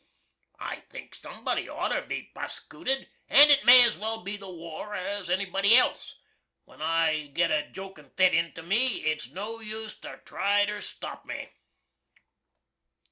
I think sumbody oughter be prosekooted, & it may as well be the war as any body else. When I git a goakin fit onto me it's no use to try ter stop me.